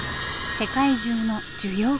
世界中の需要拡大。